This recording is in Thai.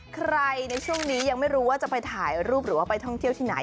ในช่วงนี้ยังไม่รู้ว่าจะไปถ่ายรูปหรือว่าไปท่องเที่ยวที่ไหน